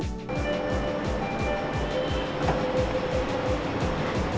pilihan moda transportasi baru